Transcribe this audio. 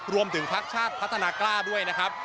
รวมถึงพักชาติพัฒนากล้าด้วยนะครับ